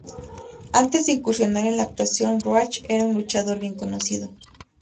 Antes de incursionar en la actuación, Roach era un luchador bien conocido.